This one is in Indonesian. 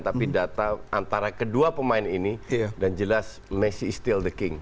tapi data antara kedua pemain ini dan jelas messi still the king